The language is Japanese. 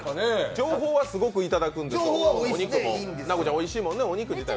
情報はすごくいただくんですけど、お肉の。